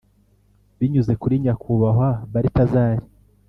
binyuze kuri nyakubahwa balthazar